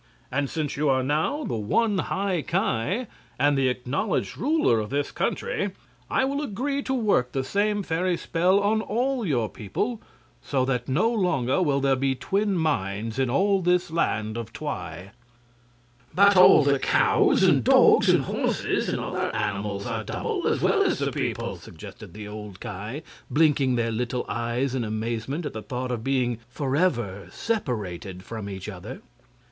And since you are now the one High Ki, and the acknowledged ruler of this country, I will agree to work the same fairy spell on all your people, so that no longer will there be twin minds in all this Land of Twi." "But all the cows and dogs and horses and other animals are double, as well as the people," suggested the old Ki, blinking their little eyes in amazement at the thought of being forever separated from each other.